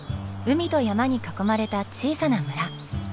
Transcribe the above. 海と山に囲まれた小さな村。